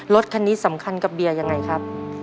รถคันนี้สำคัญกับเบียร์ยังไงครับ